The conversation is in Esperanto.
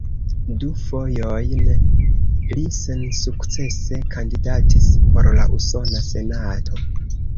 Du fojojn li sensukcese kandidatis por la Usona Senato.